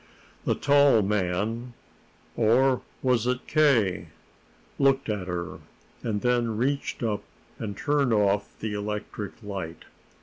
The tall man or was it K.? looked at her, and then reached up and turned off the electric light.